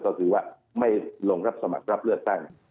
ก็คือว่าไม่ลงรับสมัครรับเลือกตั้ง